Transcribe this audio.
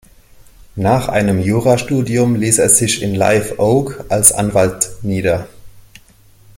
Nach einem Jurastudium ließ er sich in Live Oak als Anwalt nieder.